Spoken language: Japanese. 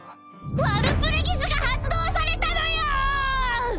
ワルプルギスが発動されたのよ！